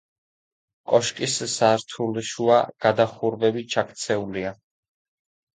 კოშკის სართულშუა გადახურვები ჩაქცეულია.